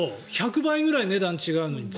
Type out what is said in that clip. １００倍ぐらい値段違うのに。